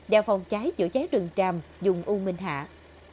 và phòng cháy giữa cháy rừng tràm dùng u minh hạm